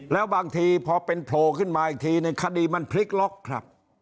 แล้วบางทีพอเป็นโผล่ขึ้นมาอีกทีหนึ่งคดีมันพลิกล็อกครับ